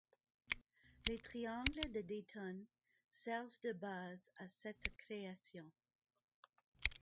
Les Triangles de Dayton servent de base à cette création.